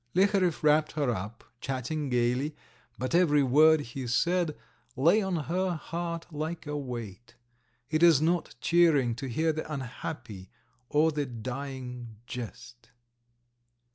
Liharev wrapped her up, chatting gaily, but every word he said lay on her heart like a weight. It is not cheering to hear the unhappy or the dying jest.